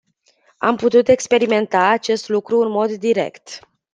Am putut experimenta acest lucru în mod direct.